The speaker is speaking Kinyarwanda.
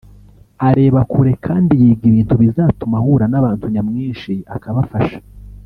areba kure kandi yiga ibintu bizatuma ahura n’abantu nyamwinshi akabafasha